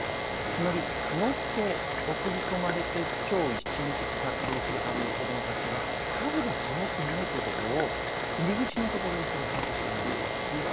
つまり乗って送り込まれて、今日一日活動するはずの子供たちが数がそろっていないということを入り口のところで把握していない。